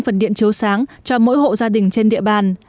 phần điện chiếu sáng cho mỗi hộ gia đình trên địa bàn